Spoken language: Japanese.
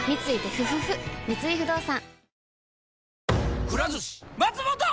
三井不動産